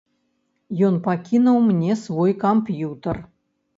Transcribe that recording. Ён пакінуў мне свой камп'ютар.